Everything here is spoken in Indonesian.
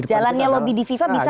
jalannya lobby di fifa bisa